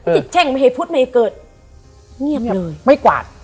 ไม่ได้แช่งไม่ให้พุธไม่ให้เกิดเงียบเลยไม่กวาด